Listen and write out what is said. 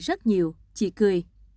rất nhiều chị cười